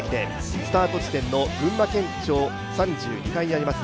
スタート地点の群馬県庁３２階にあります